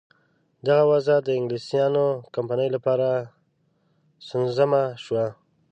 دغه وضع د انګلیسیانو کمپنۍ لپاره سونسزمه شوه.